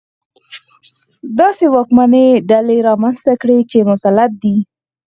داسې واکمنې ډلې رامنځته کړي چې مسلط دي.